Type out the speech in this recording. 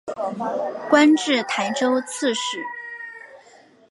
官至台州刺史。